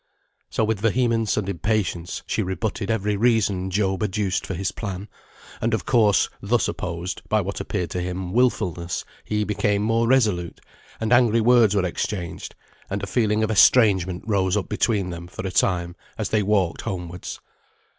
So with vehemence and impatience she rebutted every reason Job adduced for his plan; and of course, thus opposed, by what appeared to him wilfulness, he became more resolute, and angry words were exchanged, and a feeling of estrangement rose up between them, for a time, as they walked homewards.